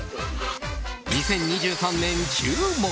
２０２３年注目！